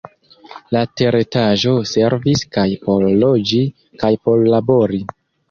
La teretaĝo servis kaj por loĝi kaj por labori.